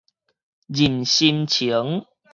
人參榕